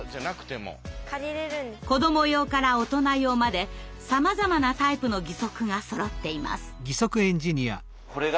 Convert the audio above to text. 子ども用から大人用までさまざまなタイプの義足がそろっています。